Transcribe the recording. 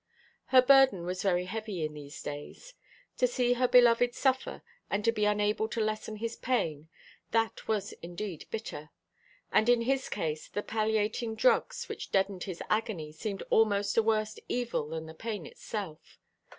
Her burden was very heavy in these days. To see her beloved suffer and to be unable to lessen his pain, that was indeed bitter. And in his case the palliating drugs which deadened his agony seemed almost a worse evil than the pain itself.